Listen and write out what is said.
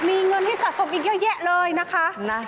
มีเงินให้สะสมอีกเยอะแยะเลยนะคะ